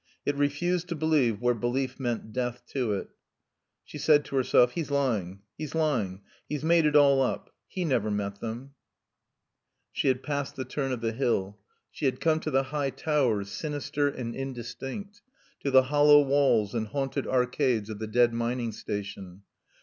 It refused to believe where belief meant death to it. She said to herself, "He's lying. He's lying. He's made it all up. He never met them." She had passed the turn of the hill. She had come to the high towers, sinister and indistinct, to the hollow walls and haunted arcades of the dead mining station.